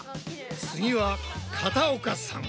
次は肩岡さん。